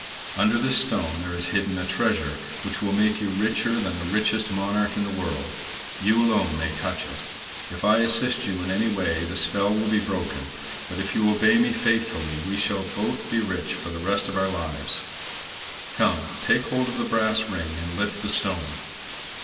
Under this stone there is hidden a treasure which will make you richer than the richest monarch in the world. You alone may touch it. If I assist you in any way the spell will be broken, but if you obey me faithfully, we shall both be rich for the rest of our lives. Come, take hold of the brass ring and lift the stone."